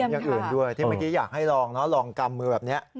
อย่างอื่นด้วยที่เมื่อกี้อยากให้ลองนะลองกำมือแบบนี้